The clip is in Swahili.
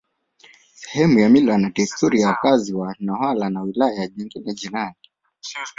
sehemu ya mila na desturi za wakazi wa Newala na wilaya nyingine jirani